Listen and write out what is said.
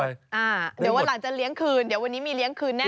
เดี๋ยววันหลังจะเลี้ยงคืนเดี๋ยววันนี้มีเลี้ยงคืนแน่